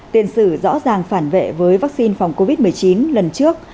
tiền sử rõ ràng phản vệ với vaccine phòng covid một mươi chín lần trước